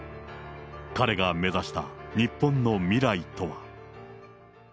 彼が目指した日本の未来とは。